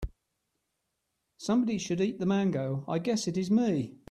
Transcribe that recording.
Somebody should eat the mango, I guess it is me.